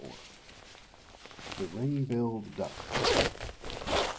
] THE RING BILLED DUCK.